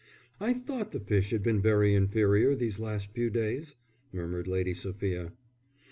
"I thought the fish had been very inferior these last few days," murmured Lady Sophia.